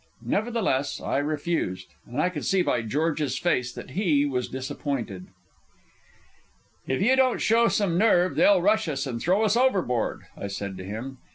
Nevertheless I refused, and I could see by George's face that he was disappointed. "If you don't show some nerve, they'll rush us and throw us overboard," I said to him.